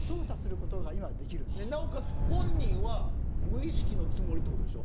なおかつ本人は無意識のつもりってことでしょ？